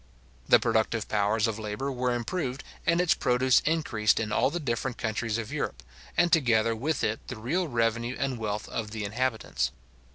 The productive powers of labour were improved, and its produce increased in all the different countries of Europe, and together with it the real revenue and wealth of the inhabitants.